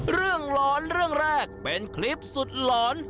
ร้อนเรื่องแรกเป็นคลิปสุดหลอน